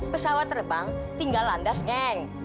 pesawat terbang tinggal landas ngeng